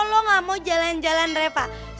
lo gak mau jalan jalan sama dia